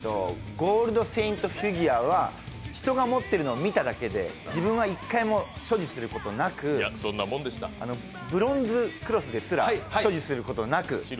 １９８０年代にはやった漫画で「黄金聖闘士」は人が持っているのを見ただけで自分は１回も所持することなくブロンズクラスですら所持することはなく